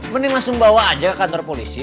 mending langsung bawa aja ke kantor polisi